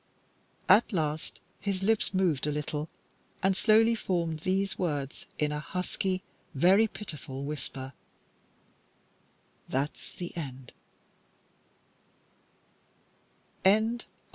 At last his lips moved a little, and slowly formed these words in a husky, very pitiful whisper "That's the end," CHAPTER VI.